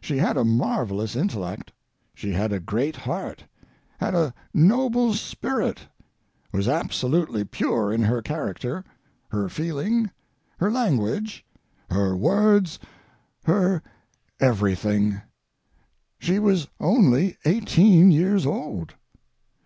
She had a marvellous intellect; she had a great heart, had a noble spirit, was absolutely pure in her character, her feeling, her language, her words, her everything—she was only eighteen years old.